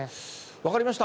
分かりました。